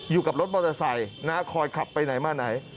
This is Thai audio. อยู่กับรถมอเตอร์ไซค์นะคอยขับไปไหนมาไหน